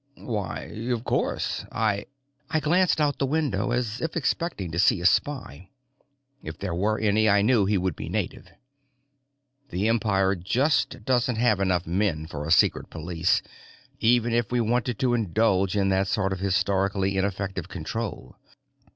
"Why, of course. I " I glanced out the window, as if expecting to see a spy. If there were any, I knew he would be native. The Empire just doesn't have enough men for a secret police, even if we wanted to indulge in that sort of historically ineffective control.